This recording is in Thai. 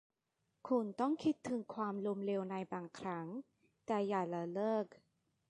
คุณต้องคิดถึงความล้มเหลวในบางครั้ง แต่อย่าละเลิก